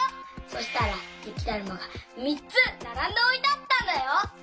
そしたらゆきだるまがみっつならんでおいてあったんだよ。